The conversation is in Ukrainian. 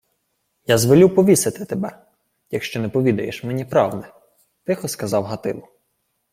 — Я звелю повісити тебе, якщо не повідаєш мені правди, — тихо сказав Гатило.